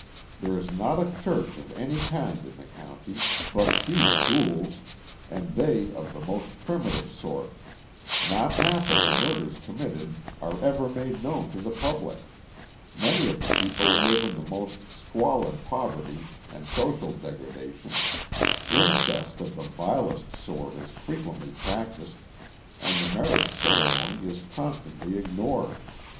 There is not a church of any kind in the county, but few schools, and they of the most primitive sort; not half of the murders committed are ever made known to the public; many of the people live in the most squalid poverty and social degradation; incest of the vilest sort is frequently practised, and the marriage ceremony is constantly ignored.